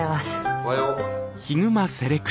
おはよう。